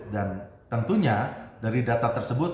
tentunya dari data tersebut